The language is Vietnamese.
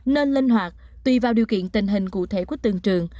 nên linh hoạt tùy vào điều kiện tình hình cụ thể của từng trường